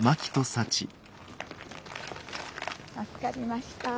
助かりました。